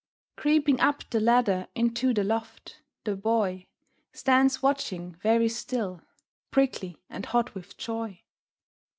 Creeping up the ladder into the loft, the Boy Stands watching, very still, prickly and hot with joy.